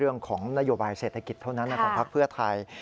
เรื่องของนโยบายเศรษฐกิจเท่านั้นของพักเพื่อไทย